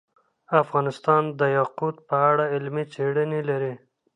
افغانستان د یاقوت په اړه علمي څېړنې لري.